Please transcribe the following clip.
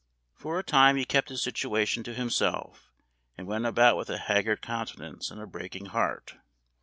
For a time he kept his situation to himself, and went about with a haggard countenance, and a breaking heart.